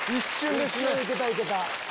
一瞬いけたいけた。